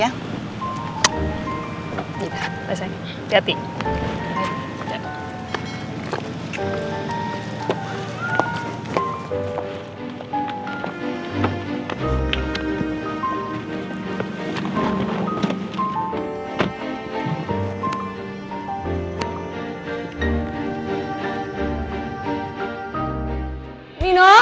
ya udah baik baik hati hati